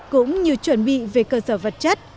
cũng như chuẩn bị về cơ sở vật chất